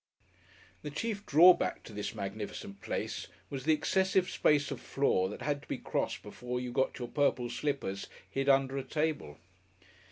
The chief drawback to this magnificent place was the excessive space of floor that had to be crossed before you got your purple slippers hid in under a table.